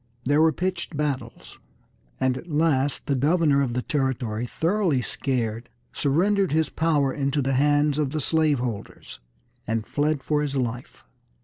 There were pitched battles, and at last the governor of the territory, thoroughly scared, surrendered his power into the hands of the slave holders, and fled for his life.